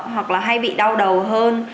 hoặc là hay bị đau đầu hơn